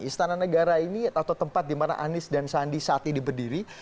istana negara ini atau tempat di mana anies dan sandi saat ini berdiri